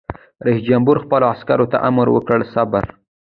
رئیس جمهور خپلو عسکرو ته امر وکړ؛ صبر!